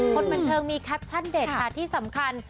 คนบันเทิงมีแคปชั่นเด็ดค่ะที่สำคัญ